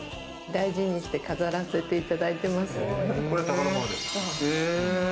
大事にして飾らせていただいてます。